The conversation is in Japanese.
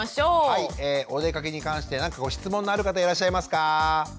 おでかけに関して何か質問のある方いらっしゃいますか？